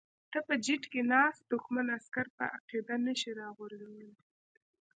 ته په جیټ کې ناست دښمن عسکر په عقیده نشې راغورځولی.